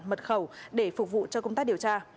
mật khẩu để phục vụ cho công tác điều tra